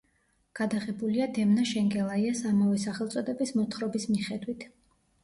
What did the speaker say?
გადაღებულია დემნა შენგელაიას ამავე სახელწოდების მოთხრობის მიხედვით.